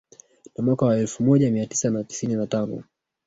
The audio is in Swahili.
Na mwaka wa elfu moja mia tisa na tisini na